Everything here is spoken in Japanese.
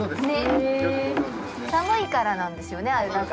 ◆寒いから、なんですよね、あれ。